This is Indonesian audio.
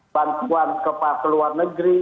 bantuan ke luar negeri